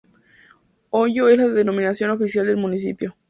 Ollo es la denominación oficial del municipio.